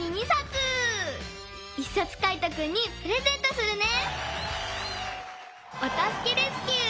１さつカイトくんにプレゼントするね！